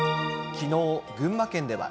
きのう、群馬県では。